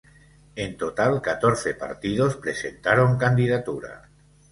En total catorce partidos presentaron candidatura.